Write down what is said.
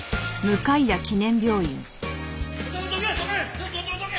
ちょっとどけどけ！